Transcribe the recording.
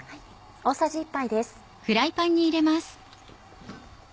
大さじ１杯です。